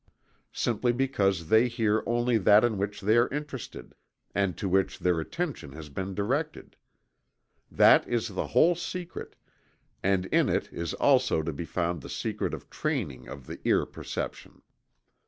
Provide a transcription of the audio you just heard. Simply because they hear only that in which they are interested, and to which their attention has been directed. That is the whole secret, and in it is also to be found the secret of training of the ear perception.